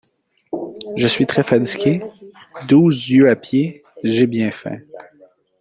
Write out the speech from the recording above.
Je suis très fatigué, douze lieues à pied, j’ai bien faim.